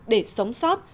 để sống sót